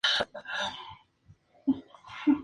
Será construida de manera subterránea en el distrito de Lima.